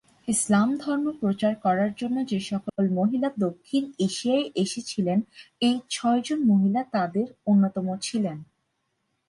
ইসলাম ধর্ম প্রচার করার জন্য যে সকল মহিলা দক্ষিণ এশিয়ায় এসেছিলেন এই ছয়জন মহিলা তাদের অন্যতম ছিলেন।